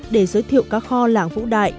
để giới thiệu cá kho làng vũ đại